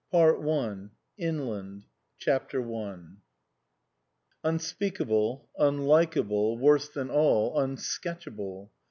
PART I INLAND CHAPTER I UNSPEAKABLE, unlikeable, worse than all, unsketchable.